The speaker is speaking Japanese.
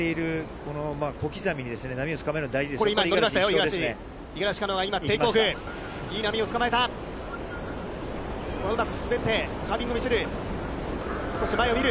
これをうまく滑って、カービングを見せる。